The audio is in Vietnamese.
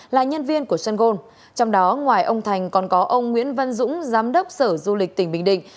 là nhân viên của sân gôn trong đó ngoài ông thành còn có ông nguyễn văn dũng giám đốc sở du lịch tỉnh bình định